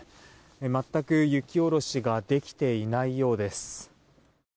全く雪下ろしができていないようです。